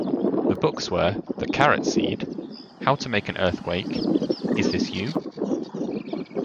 The books were: "The Carrot Seed", "How to Make an Earthquake", "Is This You?